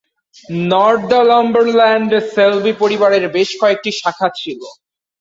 নর্দাম্বারল্যান্ডে সেলবি পরিবারের বেশ কয়েকটি শাখা ছিল।